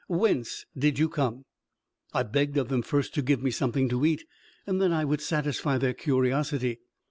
Whence did you come?" I begged of them first to give me something to eat, and then I would satisfy their curiosity.